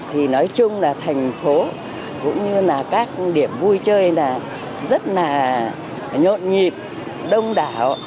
thì nói chung là thành phố cũng như là các điểm vui chơi là rất là nhộn nhịp đông đảo